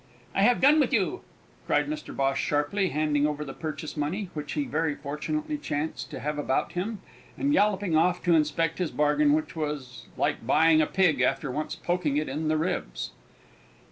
"I have done with you!" cried Mr Bhosh sharply, handing over the purchase money, which he very fortunately chanced to have about him, and galloping off to inspect his bargain, which was like buying a pig after once poking it in the ribs.